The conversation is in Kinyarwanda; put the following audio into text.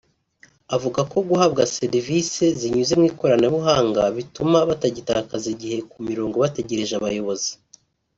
avuga ko guhabwa serivisi zinyuze mu ikoranabuhanga bituma batagitakaza igihe ku mirongo bategereje abayobozi